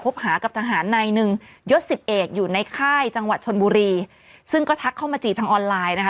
หากับทหารนายหนึ่งยศสิบเอกอยู่ในค่ายจังหวัดชนบุรีซึ่งก็ทักเข้ามาจีบทางออนไลน์นะคะ